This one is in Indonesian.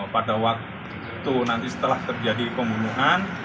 pada waktu itu nanti setelah terjadi pembunuhan